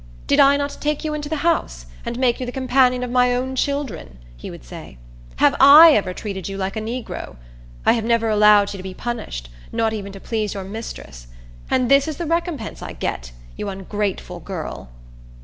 "Did I not take you into the house, and make you the companion of my own children?" he would say. "Have I ever treated you like a negro? I have never allowed you to be punished, not even to please your mistress. And this is the recompense I get, you ungrateful girl!"